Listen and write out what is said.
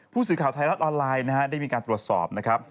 ผู้สื่อข่าวไทยรัฐออนไลน์นะฮะได้มีการตรวจสอบนะครับ